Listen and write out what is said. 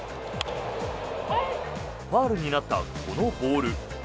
ファウルになったこのボール。